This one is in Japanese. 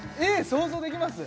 想像できます？